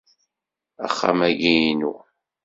Axxam-agi inu.